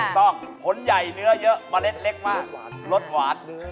ถูกต้องผลใหญ่เนื้อเยอะมะเล็ดเล็กมากรสหวาน